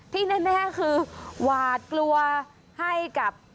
ที่แน่คือหวาดกลัวให้กับ